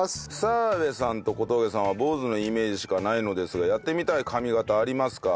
澤部さんと小峠さんは坊主のイメージしかないのですがやってみたい髪形はありますか？